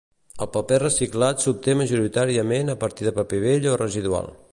El paper reciclat s'obté majoritàriament a partir de paper vell o residual.